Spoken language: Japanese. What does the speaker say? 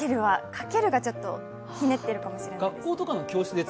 かけるがちょっとひねったりするかもしれない。